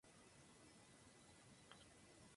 Y la tecnología ha avanzado tanto en los últimos años.